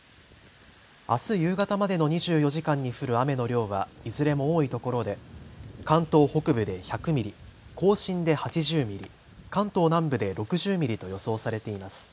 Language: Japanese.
あす夕方までの２４時間に降る雨の量はいずれも多いところで関東北部で１００ミリ、甲信で８０ミリ、関東南部で６０ミリと予想されています。